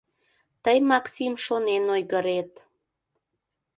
Тый Максим шонен ойгырет.